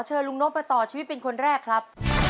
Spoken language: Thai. ลุงนกไปต่อชีวิตเป็นคนแรกครับ